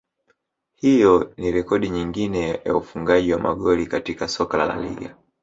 Hiyo ni rekodi nyingine ya ufungaji wa magoli katika soka la LaLiga